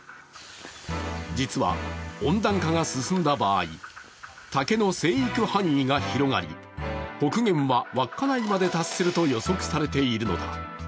実は温暖化が進んだ場合、竹の生育範囲が広がり、北限は稚内まで達すると予測されているのだ。